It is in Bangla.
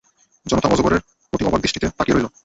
জনতা অজগরের প্রতি অবাক দৃষ্টিতে তাকিয়ে রইল।